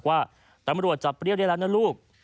บอกว่ารับบรรจน์จับเรียกได้แล้วนะลูก